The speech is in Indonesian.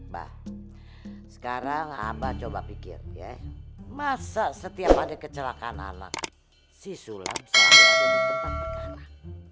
mbak sekarang abah coba pikir masa setiap ada kecelakaan anak si sulap selalu ada di tempat berkala